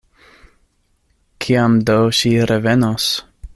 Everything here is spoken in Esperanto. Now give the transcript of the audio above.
Kiam do ŝi revenos?